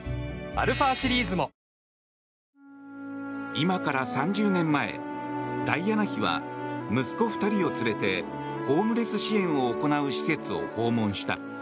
今から３０年前ダイアナ妃は息子２人を連れてホームレス支援を行う施設を訪問した。